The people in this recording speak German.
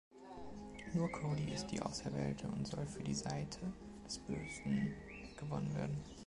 Nur Cody ist die Auserwählte und soll für die Seite des Bösen gewonnen werden.